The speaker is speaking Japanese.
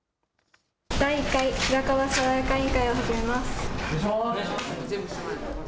第１回白川さわやか委員会を始めます。